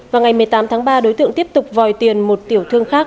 vào ngày một mươi tám tháng ba đối tượng tiếp tục vòi tiền một tiểu thương khác